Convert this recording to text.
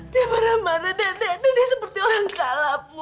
dia marah marah nek nek nek dia seperti orang kalah bu